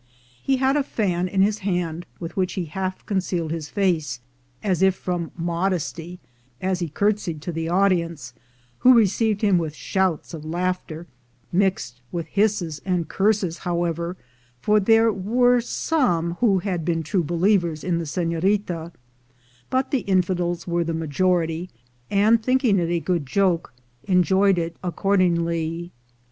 He had a fan in his hand, with which he half concealed his face, as if from modesty, as he curtseyed to the audience, who re ceived him with shouts of laughter — mixed with hisses and curses, however, for there were some who had been true believers in the senorita; but the infidels were the majority, and, thinking it a good joke, THE DAY WE CELEBRATE 337 enjoyed it accordingly.